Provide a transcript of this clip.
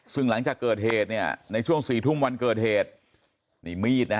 ซึ่งหลังจากเกิดเหตุเนี่ยในช่วงสี่ทุ่มวันเกิดเหตุนี่มีดนะฮะ